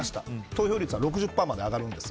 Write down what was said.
投票率は６０％まで上がるんです。